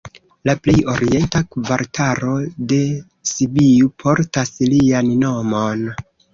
La plej orienta kvartalo de Sibiu portas lian nomon.